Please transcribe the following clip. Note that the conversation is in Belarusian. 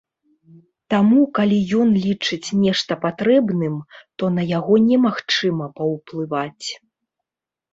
Таму калі ён лічыць нешта патрэбным, то на яго немагчыма паўплываць.